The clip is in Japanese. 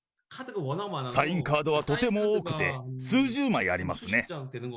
サインカードはとても多くて、数十枚ありますね。